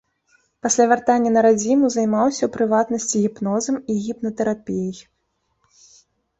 Пасля вяртання на радзіму займаўся, у прыватнасці, гіпнозам і гіпнатэрапіяй.